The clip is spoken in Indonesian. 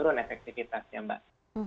dan juga kemudian efektifitas ya mbak